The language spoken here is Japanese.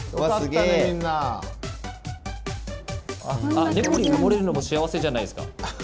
あっ猫に埋もれるのも幸せじゃないすか。